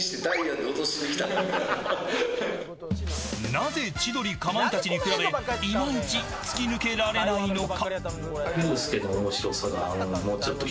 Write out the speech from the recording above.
なぜ千鳥、かまいたちに比べいまいち突き抜けられないのか。